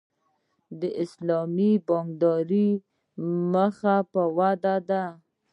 اسلامي بانکداري مخ په ودې ده